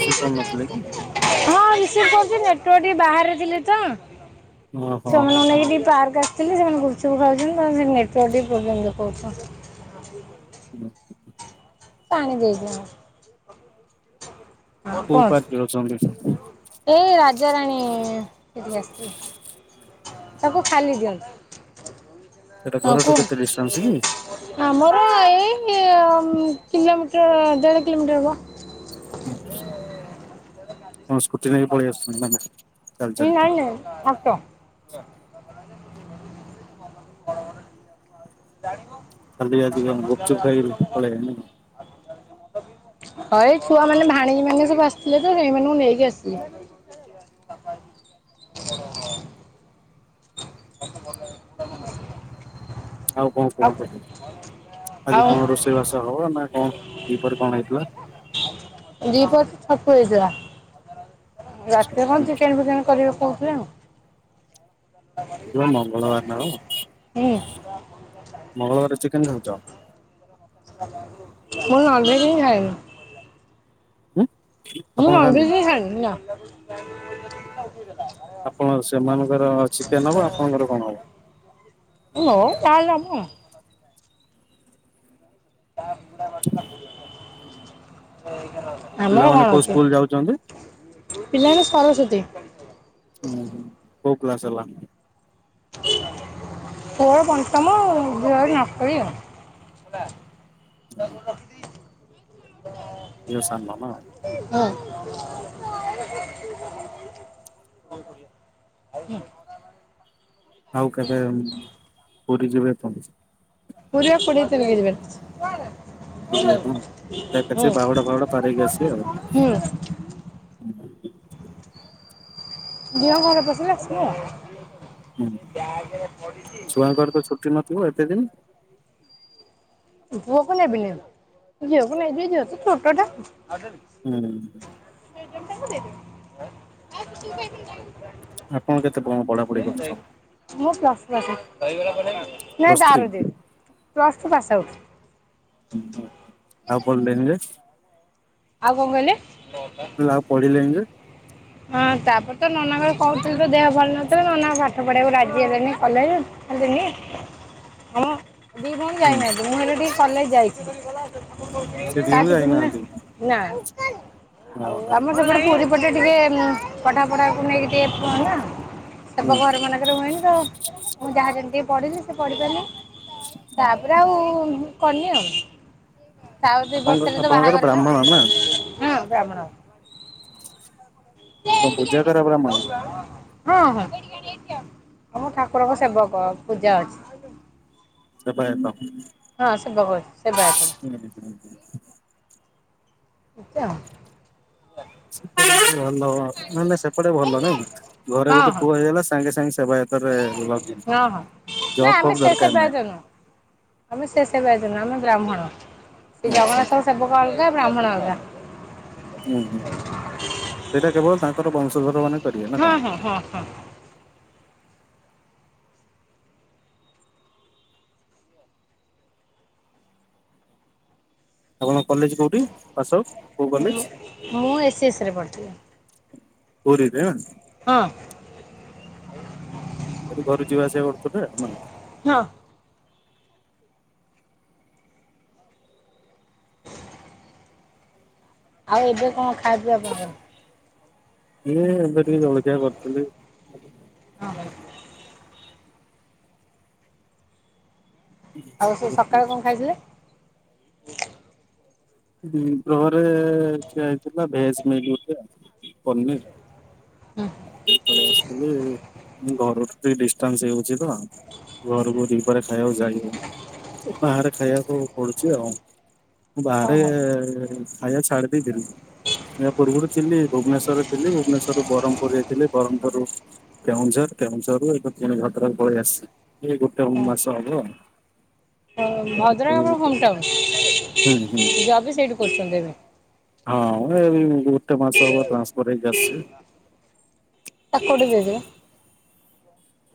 ସେ ପାରୁ ନଥିଲେ କି ହଁ କହୁଛି ନେଟ ଟିକେ ବାହାରେ ଥିଲେ ତ ଓହୋ ଛୁଆମାନେଙ୍କୁ ନେଇକି ଟିକେ ପାର୍କ ଆସିଥିଲେ ସେମାନେ ଗୁଚୁ ଖାଉଛନ୍ତିେ ଟିକେ ପର୍ଯ୍ୟନ୍ତ କହୁ ହୁଁ। ପାଣି ଦେଇଜନା। କୋଉ ପାର୍କରେ ଅଛନ୍ତି ପାଞ୍ଚ। ଏଇ ରାଜାରାଣୀ ଏଠିକି ଆସିଛି ତାକୁ ଖାଲି ଦିଅନ୍ତୁ। ସେଇଟା ହଁ ଘରଠୁ କେତେ କୁହନ୍ତୁ। ଡିଷ୍ଟାନ୍ସ କି? ଆମର ଏଇ କିଲୋମିଟର ଦେଢ କିଲୋମିଟର ହବ। ହଁ ସ୍କୁଟି ନେଇକି ପଳେଇ ଆସୁଛନ୍ତି। ଚାଲି ହଁ ଚାଲି ଅଣେ ଅଟ। ବଡ ବଡ ଠିକ ଜାଣିବ। ହାି ଆଜି ଗୁପଚୁପ ଖାଇରି ପଳେଇ ହଁ ଏଇ ଛୁଆ ମାନେ ଭାଣିକୀ ମାନେ ସବୁ ଆସିଥିଲେ ତ ସେଇମାନଙ୍କୁ ନେଇକି ଆସିବେ। ଆଉ କଣ କୁହନ୍ତୁ ଆଜି ଆଉ କଣ ରୋଷେଇ ବାସ ହବ ନା କଣ ଦିପରେ କଣ ହେଇଥିଲା? ଦିପ ଛକୁ ହେଇଥିଲା ରାତିରେ କଣ ଚିକେନ ଫିକେନ କରିବାକୁ କହୁଥିଲେ ଆ ଆଜି ମଙ୍ଗଳବାର ନା କଣ ହୁଁ। ମୁଁ ମଙ୍ଗଳବାର ଚିକେନ ଖାଉଛ ନଲବ ହଁ ଖାଇନି। ହୁଁ। ମୁଁ ଆଙ୍ଗଛି ଖାଇ ନା ଆପଣ ସେମାନଙ୍କର ଚିକେନ ହବ ଆପଣଙ୍କର କଣ ହବ [unintelligible] ହ ହ ତାହା ଦବ। ତା ଫୁଡା କରିଥିଲା ପିଲାମାନେ କୋଉ ସ୍କୁଲ ଯାଉଛନ୍ତି? ତଇ [unintelligible] [unintelligible] ତୋର ପଞ୍ଚମ ଦେହରେ ନଷ୍ଟ ଆଉ। ଝିଅ ସାନ ନା ହେ ହଁ। ଆଉ କେବେ ପୁରୀ ଯିବେ ତ? [unintelligible] ହୁଁ [unintelligible] ବାହୁଡା ଫାହୁଡା ପରେଇକି ଆସିବେ ଆଉ। ହୁଁ [inaudible] ତାଙ୍କର ତ ଛୁଟି ନ ତୁ ଏତେ ଦିନ ପୁଅକୁ ନେବି ନି। ଝିଅକୁ ନେବି, ଝିଅ ତ ଛୋଟ ଟା। ହୁଁ। [inaudible] ଆପଣ କେତେ କଣ ପଢାପଢି କରୁଛନ୍? ମୁଁ ପ୍ଲସ [inaudible] ନାଇଁ ପ୍ଲସ୍ ଥ୍ରୀ ତାର ଦେ। Plus two pass out. ହୁଁ। ଆଉ କଲ ଦେବି ଯେ ଆଉ କଣ କହିଲେ? ଲା, ଆଉ ପଢିଲେନି ଯେ। ହଁ ତାପରେ ତ ନନାଙ୍କର କହୁଥିଲୁ ତ ଦେହ ଭଲ ନଥିଲା ନନା ପାଠ ପଢେଇବାକୁ ରାଜି ହେଲେନି କଲେଜ। ହେଲେନି। ହଁ ଦି ଭଉଣୀ ହୁଁ ଯାଇନାହାନ୍ତି ମୁଁ ହେଲେ ଟିକେ କଲେଜ ଯାଇଛି। ସେଥିପାଇଁ ଯାଇନାହାନ୍ତି ନା ଆଉ ଓହୋ ଆମର ସେପଟେ ପୂରୀ ଏ ପଟେ ଟିକେ ଉମ ପଢା ପଢାକୁ ନେଇକି ଟିକେ କୁହ ନା। ସେ [unintelligible] ହୁଁ ଘରମାନେ ପାଖରେ ହୁଏନି ତ, ମୁଁ ଯାହା ଯେମିତି ପଢ଼ିଲି ସେ ପଢ଼ିପାରିଲି। ତାପରେ ଆଉ କନି ଆଉ। ତା ଦି ଆପଣଙ୍କ ବର୍ଷରେ ତ ବାହା ଆପଣଙ୍କର କରିଲ। ବ୍ରାହ୍ମଣ ନା ହଁ ବ୍ରାହ୍ମଣ। [inaudible] କଣ ପୂଜା କର ବ୍ରାହ୍ମଣ? ହଁ ହଁ। ଆମ ଠାକୁରଙ୍କ ସେବକ ପୂଜା ଅଛି। ସେବାୟତ। ହଁ ସେ ବହ, [unintelligible] ସେବାୟତ। ହୁଁ ହୁଁ ହୁ ଆଚ୍ଛା। ନା। [inaudible] ଭଲ। ମାନେ ସେପଟେ ଭଲ ନାଇଁ କି, ଘରେ ହଁ ଗୋଟେ ହଁ ପୁଅ ହେଇଗଲା ସାଙ୍ଗେ ସାଙ୍ଗେ ସେବାୟ ହଁ ହଁ। ନା ଫବ୍ ଆମେ ସେ ଦରକାର ନାହିଁ ସେବାୟତ ନୁହଁ। ଆମେ ସେ ସେବାୟତ ନୁହଁ ଆମେ ବ୍ରାହ୍ମଣ। ସେ ଆଚ୍ଛା ଆଚ୍ଛା ଜଗନ୍ନାଥଙ୍କ ସେବକ ଅଲଗା ବ୍ରାହ୍ମଣ ଅଲଗା। ହୁଁ ହୁଁ। ସେଇଟା କେବଳ ତାଙ୍କର ବଂଶଧର ମାନେ କରିବେ ନା ହଁ କଣ? ହଁ ହଁ ହଁ। ଆପଣଙ୍କ କଲେଜ କଉଠି ପାସ୍ ଆଉଟ୍? କୋଉ କଲେଜ? ହ୍ୟାଲୋ। ମୁଁ ଏସ୍ ଏସ୍ ରେ ପଢ଼ିଥିଲି। ପୁରୀ ରେ। ହଁ। ଏବେ ଘରୁ ଯିବା ଆସିବା କରୁଥିବେ ଆଉ। ହଁ। ଆଉ ଏବେ କଣ ଖାଦ୍ୟ ଆପଣଙ୍କର? ଇଏ ଏବେ ଟିକେ ଜଳଖିଆ କରିଥିଲି। ହଁ। ଆଉ ସେ ସକାଳେ କଣ ଖାଇଥିଲେ? ଦିପହରେ ଖିଆ ହେଇଥିଲା ଭେଜ ମିଲ୍ ଗୋଟେ, ପନିର। ହୁଁ। [inaudible] ଫାଳେ ଆସିଥିଲେ। ଉମ ଘର ବି ଡିସଷ୍ଟାନ୍ସ ହେଇଯାଉଛି ତ। ଘରକୁ ଦିପହରେ ଖାଇବାକୁ ଯାଇହଉନି। ବାହାରେ ଖାଇବାକୁ ପଡୁଛି ଆଉ। ବାହାରେ ଓହୋ ଖାଇବା ସାଢେ ଦେଇଦେଲି। ଏହା ପୂର୍ବରୁ ଥିଲି ଭୁବନେଶ୍ଵର ଥିଲି ଭୁବନେଶ୍ୱର ରୁ ବରହମ ପୁର ରେ ଥିଲି। ବ୍ରହ୍ମପୁରରୁ କେଉଁଝର, କେଉଁଝର ରୁ ଏବେ ପୁଣି ଭଦ୍ରକ ପଳେଇ ଆସିଛି। ଏ ଗୋଟେ ଉମ ମାସ ହବ। ଭଦ୍ରକ ଏଠୁ ଆମର ହୁଁ ହୋମ ଟାଉନ। ହୁଁ ଜବ୍ ବି ସେଇଠି କରୁଛନ୍ତି ଏବେ। ହଁ ଏ ଗୋଟେ ମାସ ହବ ଟ୍ରାନ୍ସପର ହେଇକି ଆସିଚି। ତାକୁ ଗୋଟେ ଦେଇଦେବେ।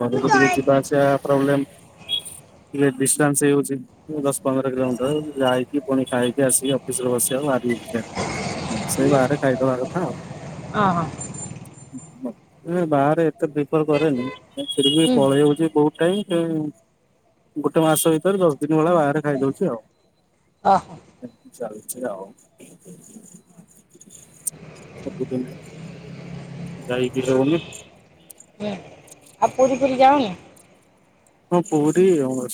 ଘରକୁ ଟିକେ ଯିବା ଆସିବା ପ୍ରବ୍ଲେମ୍ ଟିକେ ଡିଷ୍ଟାନ୍ସ ହେଇଯାଉଚି। ଦଶ ପନ୍ଦର କିଲୋମିଟର ଯାଇକି ପୁଣି ଖାଇକି ଆସିକି ଅଫିସରେ ବସିବାକୁ ଭାରି ସେ ବାହାରେ ଖାଇଦବା କଥା ଆଉ। ହଁ ହଁ ବାହାରେ ଏତେ ପ୍ରିଫର କରେନି। ହେଲେ ଫିର୍ବି ହୁଁ ପଳେଇ ଆଉଚି କୋଉ କାଇଁ [unintelligible] ଗୋଟେ ମାସ ଭିତରେ ଦଶ ଦିନ ଭଳି ବାହାରେ ଖାଇଦଉଛି ଆଉ। ଅ ହୋ। ଏମିତି ଚାଲିଚି ଆଉ। ସବୁଦିନ ଆଉ ଯାଇ ବି ହଉନି। ହଁ ଆଉ ପୁରୀ ଫୁରୀ ଯାଓନି? ହଁ ପୁରୀ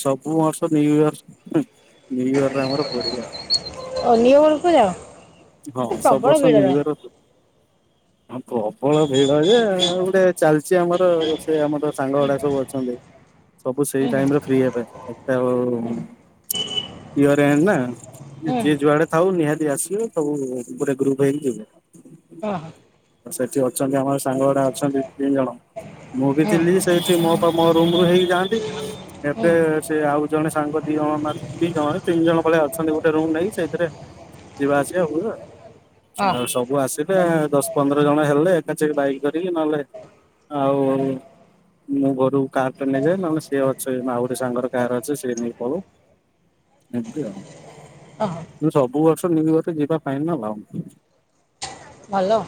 ସବୁ ବର୍ଷ ନିଉ ଇୟର ନିଉ ଇୟରରେ ଆମର ପୁରୀ ଆଉ। ଓ ନିଉ ଇୟର କୁ ଯାଅ। ହଁ ସବୁ ପ୍ରବଳ ବର୍ଷ ଭିଡ଼ ନିଉ ରହେ ଇୟର ହଁ ପ୍ରବଳ ଭିଡ ଯେ ଗୋଟେ ଚାଲିଛି ଆମର ସେ ଆମର ସାଙ୍ଗ ଗୁଡା ସବୁ ଅଛନ୍ତି। ସବୁ ସେଇ ହୁଁ ଟାଇମରେ ଫ୍ରି ହେବେ। ଏତେ ଆଉ ଫ୍ରି ହରେନି ନା। ହୁଁ ଯିଏ ଯୁଆଡେ ଥାଉ ନିହାତି ଆସିବେ ସବୁ ଗୋଟେ ଗ୍ରୁପ ହେଇକି ଯିବୁ। ହଁ ହଁ। ସେଠି ଅଛନ୍ତି ଆମର ସାଙ୍ଗ ଗୁଡ଼ା ଅଛନ୍ତି ତିନି ଜଣ ମୁଁ ବି ହଁ ଥିଲି ଯେ ସେଠି ମୋ ମୋ ରୁମ ରୁ ହେଇି ଯାଆନ୍ତି। ହୁଁ ଏବେ ସେ ଆଉ ଜଣେ ସାଙ୍ଗ ଦିଜଣ। [unintelligible] ଦି ଜଣ ତିନି ଜଣ ଭଳିଆ ଅଛନ୍ତି ଗୋଟେ ରୁମ ନେଇ ସେଇଥିରେ ଯିବା ଆସି ହଁ [unintelligible] ଆଉ ସବ ମୁଁ ଆସିଲେ ଦଶ ପନ୍ଦର ଜଣ ହେଲେ ଏକାଛେକେ ବାଇକ୍ କରିକି ନେଲେ ଆଉ ମୁଁ ଘରୁ କାର ଟା ନେଇଯାଏ। ନହେଲେ ସିଏ ଅଛି ଆଉ ଗୋଟେ ସାଙ୍ଗର କାର ଅଛି ସିଏ ନେଇକି ପଳଉ। ଏମତି ଆଉ। ଓହୋ କିନ୍ତୁ ସବୁ ବର୍ଷ ନିଉ ଇୟର ଯିବା ଫାଇନାଲ। ହାଲୋ।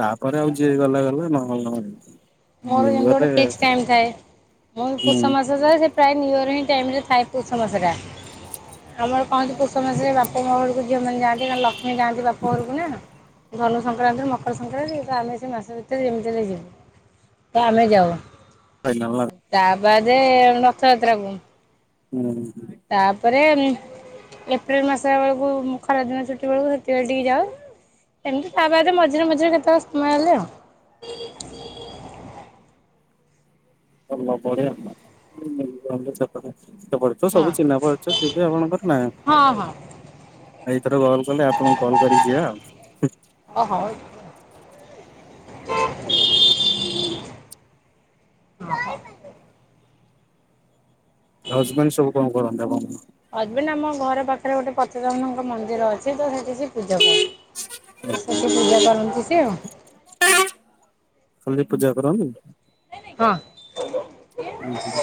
ତାପରେ ଆଉ ଯିଏ ଗଲା ଗଲେ ନହେଲେ ନ ଯାଆନ୍ତୁ। ମୋର ଯେମତି ଗୋଟେ ଫିକ୍ସ ଟାଇମ୍ ଥାଏ। ମୋର ହୁଁ ପୁଷ ମାସ ଯାଏ ସେ ପ୍ରାୟ ନ୍ୟୁୟର ହିଁ ଟାଇମରେ ଥାଏ ପୌଷ ମାସଟା। ଆମର କହନ୍ତି ପୌଷ ମାସରେ ବାପା ମା ଯୋଉ ଝିଅମାନେ ଯାଆନ୍ତି ଲକ୍ଷ୍ମୀ ଯାଆନ୍ତି ବାପା ଘରକୁ ନା ଧନୁ ସଂକ୍ରାନ୍ତି ରୁ ମକର ସଂକ୍ରାନ୍ତି ଯାହା ହେଲେ ସେ ମାସେ ଭିତରେ ଯେମିତି ହେଲେ ଯିବୁ। ତ ଆମେ ଯାଉ। [unintelligible] ତା ବାଦେ ରଥଯାତ୍ରା କୁ। ହୁଁ। ତାପରେ ଏପ୍ରିଲ ମାସ ବେଳକୁ ଖରାଦିନ ଛୁଟି ବେଳକୁ ସେତବେଳେ ଟିକେ ଯାଉ। ଏମିତି ତା ବାଦେ ମଝିରେ ମଝିରେ କେତେବେଳେ ସମୟ ହେଲେ ଆଉ। [unintelligible] ତ ସବୁ ଚିହ୍ନା ହଁ ପରିଚ ଥିବେ ଆପଣଙ୍କର ନା। ହଁ ହଁ ଏଇଥର ଘରକୁ ଗଲେ ଆପଣଙ୍କୁ କଲ୍ କରିକି ଯିବା ଆଉ। ଓ ହଉ। ହଜବେଣ୍ଡ ସବୁ କଣ କରନ୍ତି ଆପଣଙ୍କର? ହଜବେଣ୍ଡ ଆମ ଘର ପାଖରେ ଗୋଟେ ପତିତ ପାବନ ଙ୍କ ମନ୍ଦିର ଅଛି ତ ସେଠି ସେ ପୂଜା କରନ୍ତି। ସେଠି ପୂଜା କରନ୍ତି ସିଏ ଆଉ। ଖାଲି ପୂଜା କରନ୍ତି। ହଁ। ହୁଁ ହୁଁ।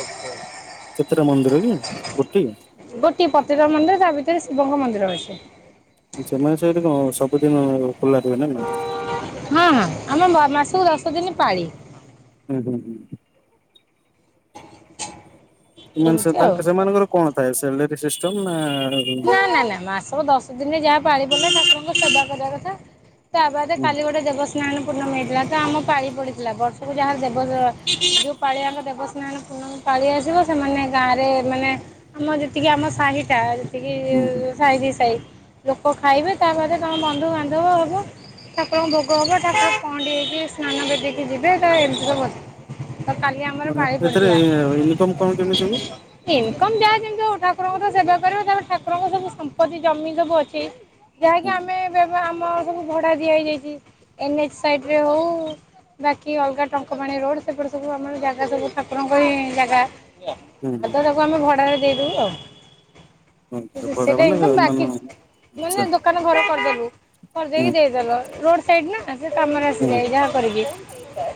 କେତେଟା ମନ୍ଦିର କି? ଗୋଟିଏ। ଗୋଟିଏ ପଥିର ମାନେ ତା ଭିତରେ ଶିବଙ୍କ ମନ୍ଦିର ରହିଛି। ସେମାନେ ସେଇଠି କଣ ସବୁଦିନ ଖୋଲା ରୁହେ ନା ନା ହଁ ହଁ ଆମେ ମ ମାସକୁ ଦଶ ଦିନେ ପାଳି। ଉଁ ହୁଁ ହୁଁ। [inaudible] ଏମାନେ ସ ଆଉ। ତାଙ୍କ ସେମାନଙ୍କର କଣ ଥାଏ ସେଲେରୀ ସିଷ୍ଟମ୍ ନା ନା ନା ନା ମାସକୁ ଦଶ ଦିନରେ ଯାହା ପାଳି ପଡ଼ିଲା ଠାକୁରଙ୍କ ସେବା କରିବା କଥା। ତା ବାଦେ କାଲି ଗୋଟେ ଦେବସ୍ ସ୍ନାନ ପୂର୍ଣ୍ଣମୀ ହେଇଥିଲା ତ ଆମ ପାଳି ପଡ଼ିଥିଲା ବର୍ଷକୁ ଯାହାର ଦେବ ସ ଯୋଉ ପାଳି ଆମ ଦେବସ୍ନାନ ପୂର୍ଣ୍ଣମୀ ପାଳି ଆସିବ ସେମାନେ ଗାଁରେ ମାନେ ଆମ ଯେତିକି ଆମ ସାହିଟା ଯେତିକି ହୁଁ ହୁଁ ସାଇ କି ସାଇ ଲୋକ ଖାଇବେ ତାପରେ କଣ ବନ୍ଧୁବାନ୍ଧବ ହବ। ଠାକୁରଙ୍କ ଭୋଗ ହବ ଠାକୁର ପହଣ୍ଡି ହେଇକି ସ୍ନାନ ବିଧକି ଯିବେ ତା ଏମିତି ସବୁ ଅଛି। ଆଉ କାଲି ଆମର ପାଳି ଏଥିରେ ପଡିଥିଲା। ଇନକମ କଣ କେମିତି ହୁଏ? ଇନକମ୍ ଯାହା ଯେମିତି ଆଉ ଠାକୁରଙ୍କର ତ ସେବା କରିବ ତାପରେ ଠାକୁରଙ୍କ ସବୁ ସମ୍ପତ୍ତି ଜମି ସବୁ ଅଛି। ଯାହାକି ହୁଁ ଆମେ ଏବେ ଏବେ ଆମ ସବୁ ଭଡା ଦିଆ ହେଇଯାଇଛି ଏନ୍ ଏଚ୍ ସାଇଡରେ ହୋଉ ବାକି ଅଲଗା ଟଙ୍କପାଣି ରୋଡ୍ ସେପଟେ ସବୁ ଆମର ଜାଗା ସବୁ ଠାକୁରଙ୍କ ହିଁ ଜାଗା। ହୁଁ ହୁଁ। ଆଉ ତ ତାକୁ ଆମେ ଭଡାରେ ଦେଇଦୋଉ ଆଉ। ଆଚ୍ଛା ଏରା ଭଡା ସେଟା ମାନେ ଏକଦମ ମାନେ ବାକି ମାନେ ଆଚ୍ଛା ଦୋ ଦୋକାନ ଘର କରଦୋବୁ ହୁଁ କରଦେଇକି ଦେଇଦେଲ ରୋଡ ସାଇଡନା ସେ କାମରେ ହୁଁ ଆସିଯାଏ ଯାହା କରିକି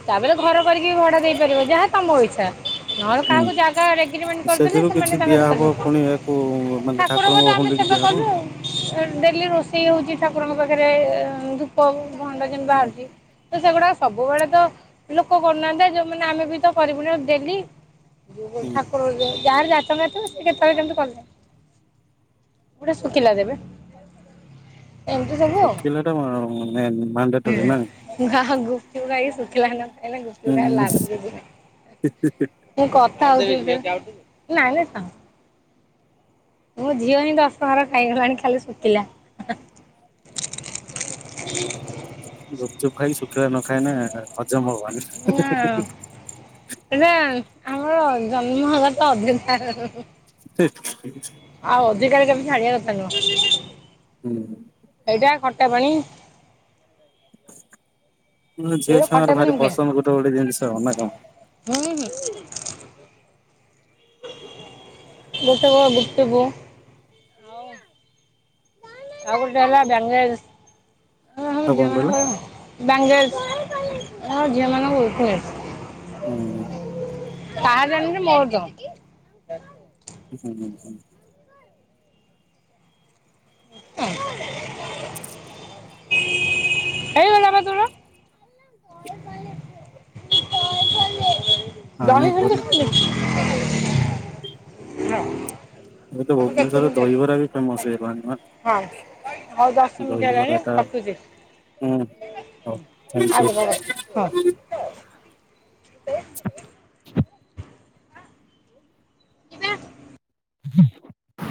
ତାପରେ ଘର କରିକି ଭଡା ଦେଇପାରିବ ଯାହା ତମ ଇଚ୍ଛା। ନହେଲେ ହୁଁ। କାହାକୁ ଜାଗାରେ ଏଗ୍ରିମେଣ୍ଟ୍ କରଦେଲେ ସେମାନେ ତାଙ୍କର କରିବେ। କୋଉ ଠାକୁରଙ୍କର ତ ଆମେ ସେବା କଲୁ। ଡେଲି ରୋଷେଇ ହୋଉଚି ଠାକୁରଙ୍କ ପାଖରେ ଏ ଧୂପ ଭଣ୍ଡା ଯେନ୍ ହୁଁ ବାହାରୁଚି। ତ ସେଗୁଡାକ ସବୁବେଳେ ତ ଲୋକ କରୁନାହାନ୍ତି ଆ ଯୋଉମାନେ ଆମେ ବି ତ କରିବୁନି ଆଉ ଡେଲି। ହୁଁ ଠାକୁର ଯାହା ଯାହାର [unintelligible] ଥିବ ସେ କେତେବେଳେ କେମିତି କଲେ। ଗୋଟେ ଶୁଖିଲା ଦେବେ। ଏମିତି ସବୁ ଆଉ। ଶୁଖିଲାଟା କଣ ମାନେ ମାଣ୍ଡାଟୋରି ନା। ନା ଗୁପଚୁପ ଖାଇକି ଶୁଖିଲା ନ ଖାଇଲେ ଗୁପଚୁପ ହୁଁ ଖାଇବାର ଲାଭ କିଛି ନାଇଁ। ମୁଁ କଥା ହୋଉଚି ଯେ ନାଇଁ ନାଇଁ ଥା। ମୋ ଝିଅ ହିଁ ଦଶଟଙ୍କାର ଖାଇଗଲାଣି ଖାଲି ଶୁକିଲା। ଗୁପଚୁପ ଖାଇକି ଶୁଖିଲା ନ ଖାଇନେ ହଜମ ହବନି। ଏଟା ଆମର ଜନ୍ମଗତ ଅଧିକାର। ହେ ହେ ହେ ଆଉ ଅଧିକାରକୁ ଏମତି ଛାଡିବା କଥା ନୁହଁ। ହୁଁଁ। ଏଇଟା ଖଟା ପାଣି। ଉଁ ଝିଅ ଏଇଟା ଖଟା ଛୁଆଙ୍କର ପାଣି ଭାରି ମୁଖେ ପସନ୍ଦ ଗୋଟେ ଗୋଟେ ଜିନଷ ନା କଣ। ହୁଁ ହୁଁ। ଦୋସାକୁ ଆଉ ଗୁପଚୁପୁ ଆଉ ଗୋଟେ ହେଲା ବାଙ୍ଗେଲସ୍ ଏରା ସବୁ ହେଲା ଆଉ କଣ ଝିଅ କହିଲ? ମାନଙ୍କର ବାଙ୍ଗେଲସ୍ ଏରାକ ଝିଅମାନଙ୍କ ୱିକନେସ୍। ହୁଁଉଁ। ତାହା ଯେମତି ମୋର ତ ହୁଁ ହୁଁ। ହ ହେଇଗଲା ପା ତୋର। ପାଣି ପରି ବହିବୁନ୍ଦି ଖା ଏବେ ତ ଭୁବନେସ୍ୱରରେ ଦହିବରା ବି ଫେମସ୍ ହେଇଗଲାଣି ନା। ହୋଉ ହୁଁ ଦଶମିନଟି ହଉ ଥ୍ୟାଙ୍କ ୟୁ। ହେଲାଣି ରଖୁଚି। ହଁ। ଯିବା। ହୁଁ।